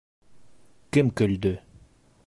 Кем көлдө?